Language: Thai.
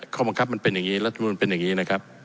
ข้อบังคับมันเป็นอย่างนี้รัฐมนุนเป็นอย่างนี้นะครับ